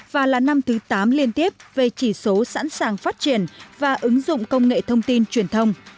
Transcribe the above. và là năm thứ tám liên tiếp về chỉ số sẵn sàng phát triển và ứng dụng công nghệ thông tin truyền thông